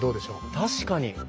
確かに！